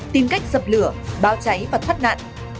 tìm cách dập lửa báo cháy và thoát nạn